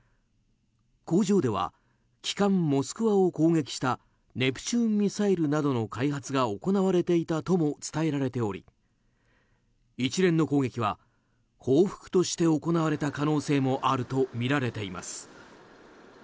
工場では旗艦「モスクワ」を攻撃したネプチューン・ミサイルなどの開発が行われていたとも伝えられており一連の攻撃は報復として行われた可能性もあるとみられています。